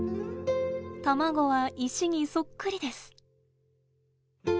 卵は石にそっくりです。